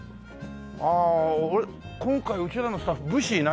ああ今回うちらのスタッフ武士いないね。